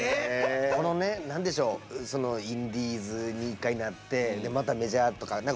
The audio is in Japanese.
このね何でしょうそのインディーズに一回なってでまたメジャーとか。